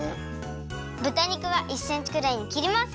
ぶたにくは１センチくらいにきります！